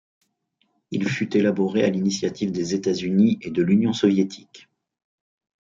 Il fut élaboré à l'initiative des États-Unis et de l'Union soviétique.